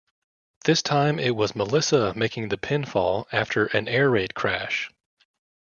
This time it was Melissa making the pinfall after an Air Raid Crash.